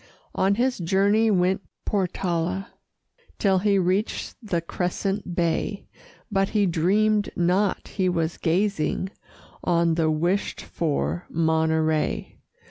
On his journey went Portala Till he reached the crescent bay; But he dreamed not he was gazing On the wished for Monterey.